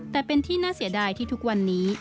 แต่เป็นที่น่าเสียดายที่ทุกวันนี้